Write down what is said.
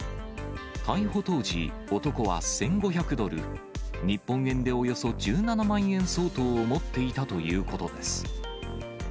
逮捕当時、男は１５００ドル、日本円でおよそ１７万円相当を持っていたということです。